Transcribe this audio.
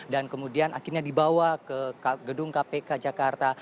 dan kemudian akhirnya dibawa ke gedung kpk jakarta